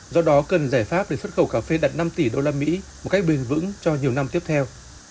do đó cần giải pháp để xuất khẩu cà phê đặt năm tỷ usd một cách bền vững cho nhiều năm tiếp theo